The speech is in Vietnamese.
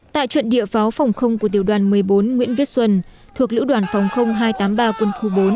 tại trận địa pháo phòng không của tiểu đoàn một mươi bốn nguyễn viết xuân thuộc lữ đoàn phòng hai trăm tám mươi ba quân khu bốn